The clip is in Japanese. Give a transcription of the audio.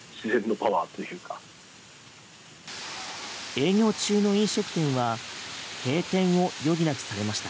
営業中の飲食店は閉店を余儀なくされました。